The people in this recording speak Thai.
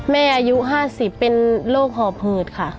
อายุ๕๐เป็นโรคหอบหืดค่ะ